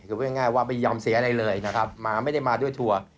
คือพูดง่ายว่าไม่ยอมเสียอะไรเลยนะครับมาไม่ได้มาด้วยทัวร์